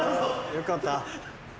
よかった。